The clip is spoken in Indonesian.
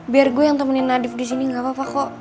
biar gue yang temenin nadif di sini gak apa apa kok